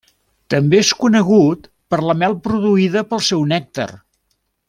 També és conegut per la mel produïda pel seu nèctar.